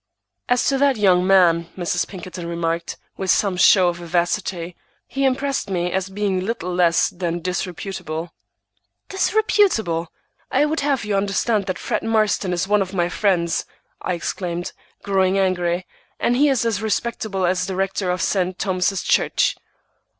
"As to that young man," Mrs. Pinkerton remarked, with some show of vivacity, "he impressed me as being little less than disreputable." "Disreputable! I would have you understand that Fred Marston is one of my friends," I exclaimed, growing angry, "and he is as respectable as the rector of St. Thomas's Church!"